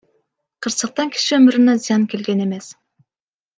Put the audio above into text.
Кырсыктан киши өмүрүнө зыян келген эмес.